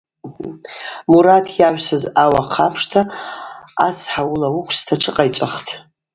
Мурат йагӏвсыз ауахъ апшта ацхӏа ауыла уыквста тшыкъайчӏвахтӏ.